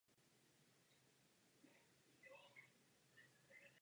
Posílení úlohy vědeckého výzkumu je v boji proti tuberkulóze rozhodující.